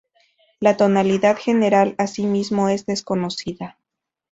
La tonalidad general, asimismo, es desconocida.